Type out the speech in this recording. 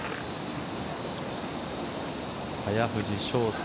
早藤将太